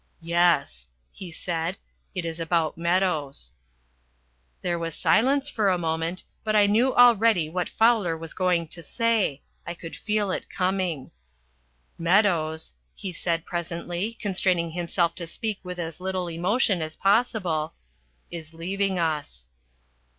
"Yes," he said, "it is about Meadows." There was silence for a moment, but I knew already what Fowler was going to say. I could feel it coming. "Meadows," he said presently, constraining himself to speak with as little emotion as possible, "is leaving us."